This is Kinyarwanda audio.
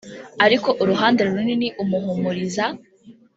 ariko uruhande runini umuhumuriza